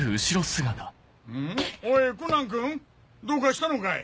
おいコナンくんどうかしたのかい？